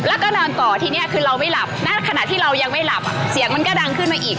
แล้วก็เดินต่อทีนี้คือเราไม่หลับณขณะที่เรายังไม่หลับเสียงมันก็ดังขึ้นมาอีก